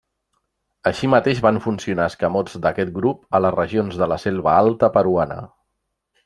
Així mateix van funcionar escamots d'aquest grup a les regions de la selva alta peruana.